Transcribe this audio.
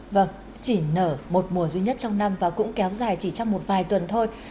vâng chỉ nở một mùa duy nhất trong năm và cũng kéo dài chỉ trong một vài tuần thôi